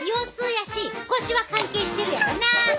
やし腰は関係してるやろな。